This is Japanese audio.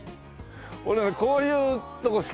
俺ねこういうとこ好きなのよ。